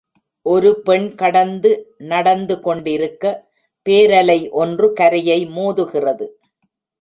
ஒரு பெண் கடந்து நடந்து கொண்டிருக்க, பேரலை ஒன்று கரையை மோதுகிறது.